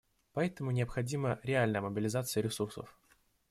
Поэтому необходима реальная мобилизация ресурсов.